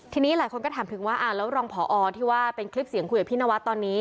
ทีนี้หลายคนก็ถามถึงว่าแล้วรองผอที่ว่าเป็นคลิปเสียงคุยกับพี่นวัดตอนนี้